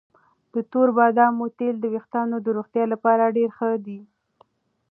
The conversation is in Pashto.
د تور بادامو تېل د ویښتانو د روغتیا لپاره ډېر ښه دي.